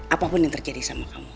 apapun yang terjadi sama kamu